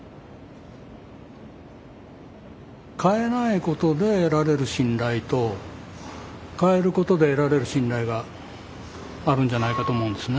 変えないことで得られる信頼と変えることで得られる信頼があるんじゃないかと思うんですね。